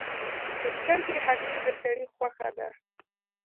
د چرګې هګۍ د سړي خوښه ده.